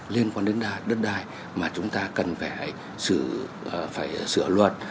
liên quan đến đất đai mà chúng ta cần phải sửa luật